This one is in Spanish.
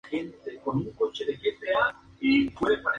Fundó y dirigió la "Revista Habanera".